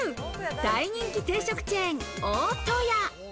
大人気定食チェーン・大戸屋。